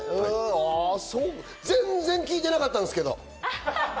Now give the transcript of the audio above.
全然聞いてなかったんですけど！